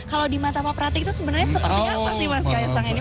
kalau di mata pak pratik itu sebenarnya seperti apa sih mas kaisang ini